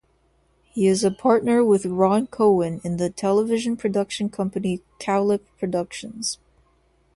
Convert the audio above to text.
He is a partner with Ron Cowen in the television production company Cowlip Productions.